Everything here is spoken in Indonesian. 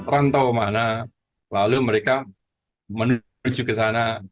rantau mana lalu mereka menuju ke sana